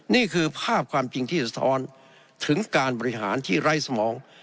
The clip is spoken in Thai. นี่คือภาพความจริงที่สะท้อนถึงการบริหารที่ไร้สมอง